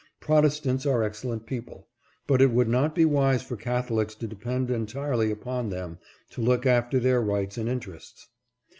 Protestants are excellent people, but it would not be wise for Catholics to depend entirely upon them to look after their rights and interests.